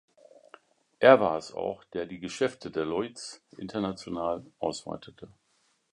Er war es auch, der die Geschäfte der Loitz international ausweitete.